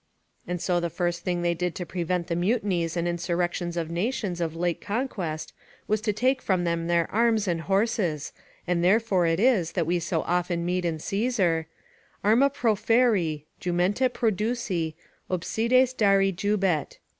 And so the first thing they did to prevent the mutinies and insurrections of nations of late conquest was to take from them their arms and horses, and therefore it is that we so often meet in Caesar: "Arma proferri, jumenta produci, obsides dari jubet."